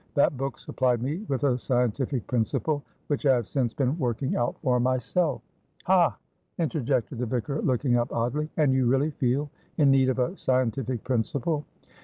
That book supplied me with a scientific principle, which I have since been working out for myself." "Ha!" interjected the vicar, looking up oddly. "And you really feel in need of a scientific principle?"